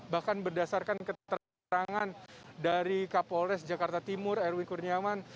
bahkan berdasarkan keterangan dari kapolres jakarta timur erwin kurniawan